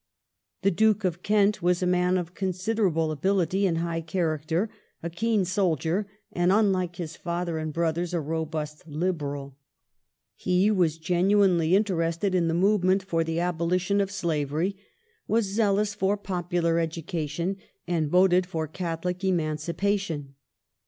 The Duke of Kent was a man of considerable ability and high character ; a keen soldier and, unlike his father and brothers, a robust Liberal. He was genuinely interested in the movement for the abolition of slavery, was zealous for popular education and voted for Catholic emancipation.